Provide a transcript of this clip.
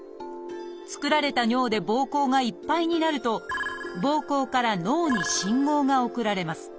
作られた尿でぼうこうがいっぱいになるとぼうこうから脳に信号が送られます。